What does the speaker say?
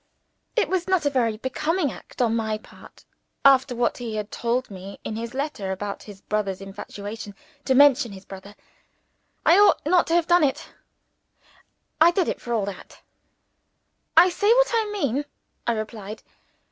It was not a very becoming act on my part (after what he had told me in his letter about his brother's infatuation) to mention his brother. I ought not to have done it. I did it, for all that. "I say what I mean," I replied.